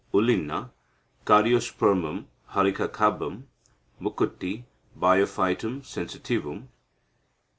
Ulinna (Cardiospermum Halicacabum). Mukutti (Biophytum sensitivum).